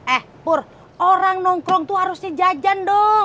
eh pur orang nongkrong tuh harusnya jalan